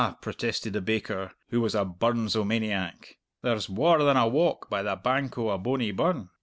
protested the baker, who was a Burnsomaniac, "there's waur than a walk by the bank o' a bonny burn.